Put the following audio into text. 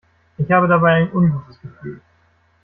Ich habe dabei ein ungutes Gefühl.